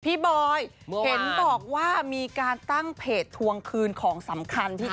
บอยเห็นบอกว่ามีการตั้งเพจทวงคืนของสำคัญพี่แ